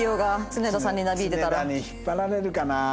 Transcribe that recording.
常田に引っ張られるかな？